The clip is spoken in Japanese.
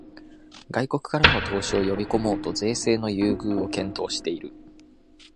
外国からの投資を呼びこもうと税制の優遇を検討している